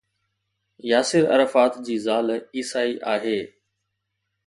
Yasir Arafat جي زال عيسائي آهي.